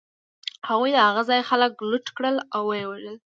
هغوی د هغه ځای خلک لوټ کړل او و یې وژل